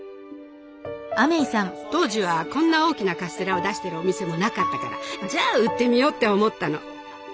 当時はこんな大きなカステラを出してるお店もなかったからじゃあ売ってみようって思ったの。